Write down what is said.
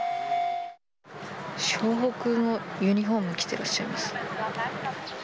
湘北のユニホーム着てらっしゃいます。